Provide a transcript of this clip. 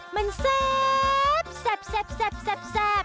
มันแซ่บแซ่บแซ่บแซ่บแซ่บ